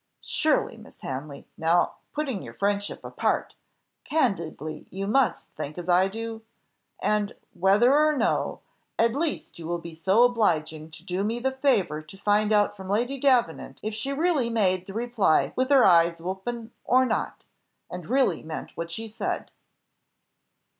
Surely, Miss Hanley, now, putting your friendship apart, candidly you must think as I do? And, whether or no, at least you will be so obliging to do me the favour to find out from Lady Davenant if she really made the reply with her eyes open or not, and really meant what she said."